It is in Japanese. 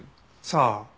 「さあ」